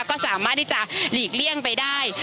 ก็สามารถที่จะหลีกเลี่ยงไปได้